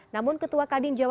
namun ketua kadir jokowi